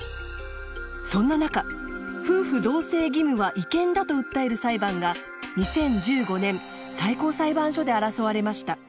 そんな中夫婦同姓義務は違憲だと訴える裁判が２０１５年最高裁判所で争われました。